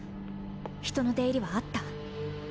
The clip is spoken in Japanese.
人の出入りはあった？